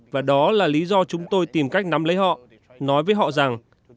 và đó là lý do chúng tôi tìm cách nắm lấy họ nói với họ rằng